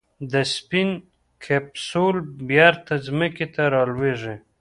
د سپېس کیپسول بېرته ځمکې ته رالوېږي.